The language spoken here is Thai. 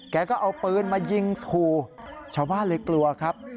แกก็เอาปืนมายิงขู่ชาวบ้านเลยกลัวครับ